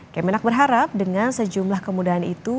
kemenak berharap dengan sejumlah kemudahan itu